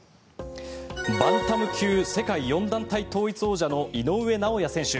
バンタム級世界４団体統一王者の井上尚弥選手。